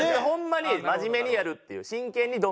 ホンマに真面目にやるっていう。